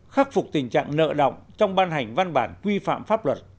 khắc phục tình trạng nợ động trong ban hành văn bản quy phạm pháp luật